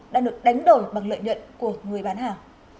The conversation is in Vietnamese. đã được đánh đổi bằng lợi nhuận của người bán hàng